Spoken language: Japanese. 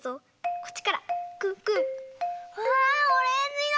うわオレンジだ！